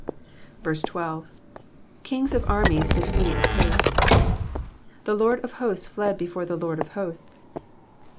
12. *'' Kings of armies did flee apace.'''' The lords of hosts fled before the Lord of Hosts.